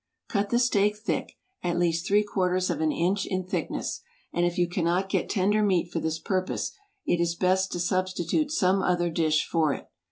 Cut the steak thick, at least three quarters of an inch in thickness, and if you cannot get tender meat for this purpose, it is best to substitute some other dish for it.